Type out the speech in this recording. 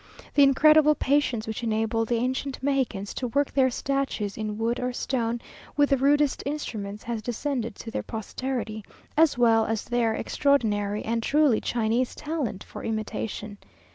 The incredible patience which enabled the ancient Mexicans to work their statues in wood or stone with the rudest instruments, has descended to their posterity, as well as their extraordinary and truly Chinese talent for imitation.